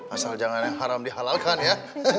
asal jangan haram dihalalkan ya